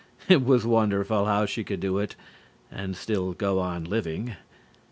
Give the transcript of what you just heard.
It was wonderful how she could do it and still go on living.